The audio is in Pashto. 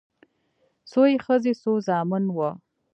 څو يې ښځې څو زامن وه